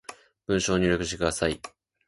文章を入力してください